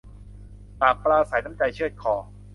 ปากปราศรัย น้ำใจเชือดคอ